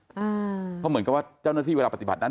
เพราะเหมือนกับว่าเจ้าหน้าที่เวลาปฏิบัตินั้น